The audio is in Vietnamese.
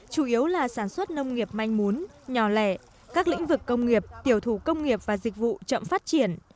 chủ yếu là sản xuất nông nghiệp manh mún nhỏ lẻ các lĩnh vực công nghiệp tiểu thủ công nghiệp và dịch vụ chậm phát triển